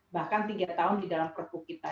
bahkan tiga tahun di dalam perpu kita